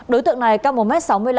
đối tượng này cao một m sáu mươi năm